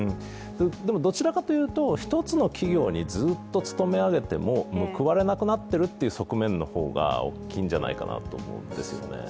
どちらかというと１つの企業にずっと勤め上げても報われなくなっているという側面の方が大きいんじゃないかなと思うんですよね。